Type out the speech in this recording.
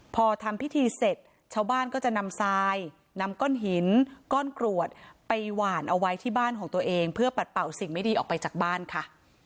พอทำพิธีเสร็จชาวบ้านก็จะนำทรายนำก้อนหินก้อนกรวดไปหวานเอาไว้ที่บ้านของตัวเองเพื่อปัดเป่าสิ่งไม่ดีออกไปจากบ้านค่ะ